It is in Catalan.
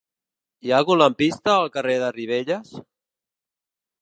Hi ha algun lampista al carrer de Ribelles?